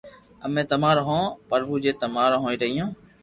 امي تمارو ھون پرڀو جي تمارو ھون رھيو